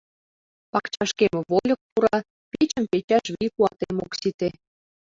Пакчашкем вольык пура, печым печаш вий-куатем ок сите.